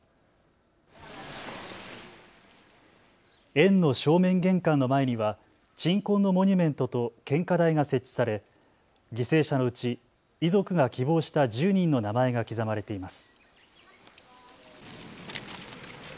園の正面玄関の前には鎮魂のモニュメントと献花台が設置され犠牲者のうち遺族が希望した１０人の名前が刻まれています。